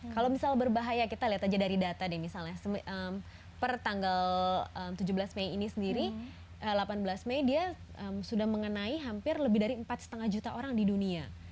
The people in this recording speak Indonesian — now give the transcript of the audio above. kalau misal berbahaya kita lihat aja dari data deh misalnya per tanggal tujuh belas mei ini sendiri delapan belas mei dia sudah mengenai hampir lebih dari empat lima juta orang di dunia